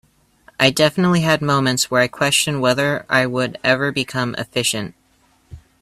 I definitely had moments where I questioned whether I would ever become efficient.